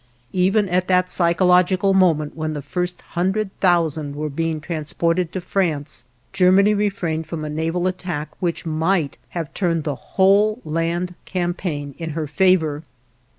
Even at that psychological moment when the first hundred thousand were being transported to France, Germany refrained from a naval attack which might have turned the whole land campaign in her favor.